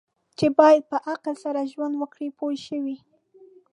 چې باید په عقل سره ژوند وکړي پوه شوې!.